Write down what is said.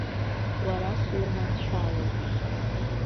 Уара сурманшәалеит.